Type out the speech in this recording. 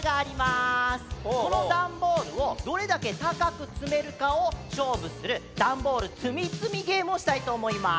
このだんボールをどれだけたかくつめるかをしょうぶするだんボールつみつみゲームをしたいとおもいます。